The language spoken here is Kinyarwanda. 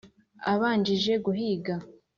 abanjije guhiga.